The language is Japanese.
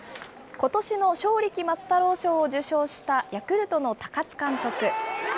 ことしの正力松太郎賞を受賞したヤクルトの高津監督。